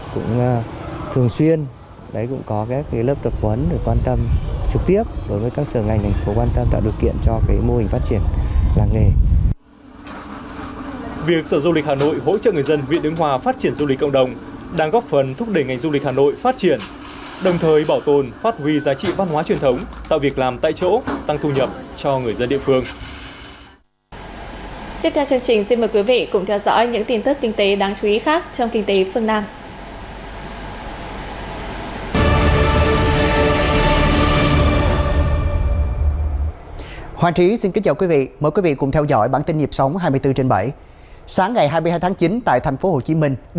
cũng thường xuyên đấy cũng có cái lớp tập huấn quan tâm trực tiếp với các sở ngành thành phố quan tâm